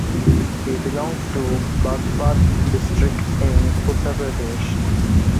He belongs to Bagpat district in Uttar Pradesh.